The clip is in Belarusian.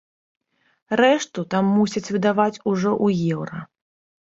Рэшту там мусяць выдаваць ужо ў еўра.